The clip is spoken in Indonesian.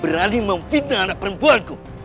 berani memfitnah anak perempuanku